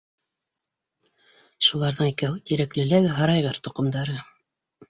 Шуларҙың икәүһе Тирәклеләге һарайғыр тоҡомдары.